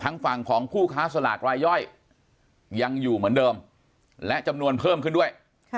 ฝั่งของผู้ค้าสลากรายย่อยยังอยู่เหมือนเดิมและจำนวนเพิ่มขึ้นด้วย